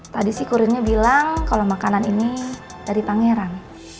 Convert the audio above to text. tadi sih kurirnya bilang kalo makanan ini dari pangeran